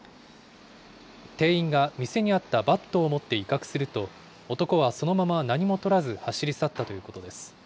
店員が店にあったバットを持って威嚇すると、男はそのまま何も取らず走り去ったということです。